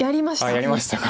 やりましたか。